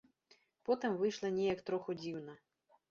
Потым выйшла неяк троху дзіўна.